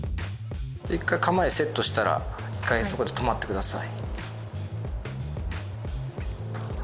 １回構えセットしたら１回そこで止まってください。